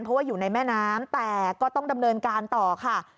เพราะว่าอยู่ในแม่น้ำแต่ก็ต้องดำเนินการต่อค่ะ